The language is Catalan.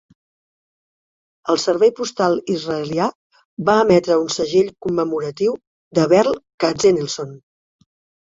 El servei postal israelià va emetre un segell commemoratiu de Berl Katzenelson.